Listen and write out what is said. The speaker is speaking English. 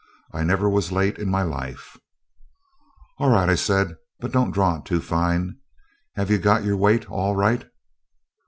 I never was late in my life.' 'All right,' I said, 'but don't draw it too fine. Have you got your weight all right?'